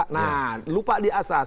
nah lupa di asas